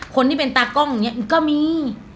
คนที่เป็นตากล้องเหมือนเนี้ยก็มี